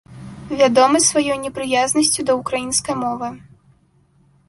Вядомы сваёй непрыязнасцю да ўкраінскай мовы.